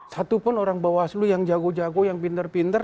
satupun orang bawaslu yang jago jago yang pinter pinter